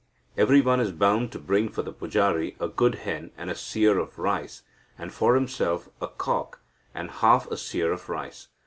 Every one is bound to bring for the pujari a good hen and a seer of rice, and for himself a cock and half a seer of rice.